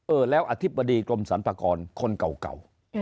เออแล้วอธิบดีกรมสรรพากรคนเก่า